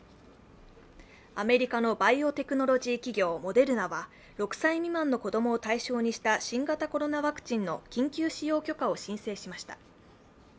アメリカのバイオテクノロジー企業、モデルナは６歳未満の子供を対象にした新型コロナワクチンの緊急使用許可を申請しました。